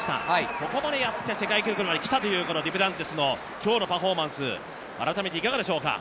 ここまでやって世界記録まで来たというデュプランティスの今日の跳躍改めていかがでしょうか？